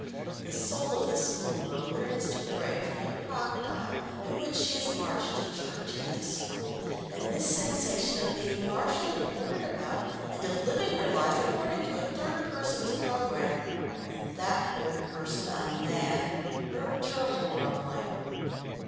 The soul of the schoolgirl yearns to break from the "crocodile" in which she is marched to church and to school, and this sensation of being marshalled and ordered about, and of living her life according to a third person's programme, and that third person a man, irked her horribly.